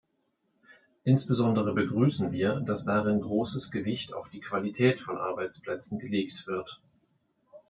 Insbesondere begrüßen wir, dass darin großes Gewicht auf die Qualität von Arbeitsplätzen gelegt wird.